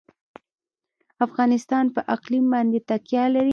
افغانستان په اقلیم باندې تکیه لري.